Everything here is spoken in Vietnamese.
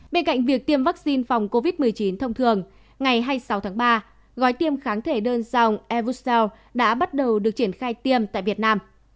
bên cạnh việc tiêm vaccine phòng covid một mươi chín thông thường ngày hai mươi sáu tháng ba gói tiêm kháng thể đơn dòng evusal đã bắt đầu được triển khai tiêm tại việt nam